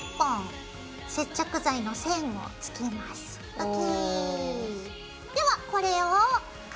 ＯＫ。